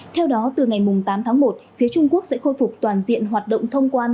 theo đó từ ngày tám tháng một phía trung quốc sẽ khôi phục toàn diện hoạt động thông quan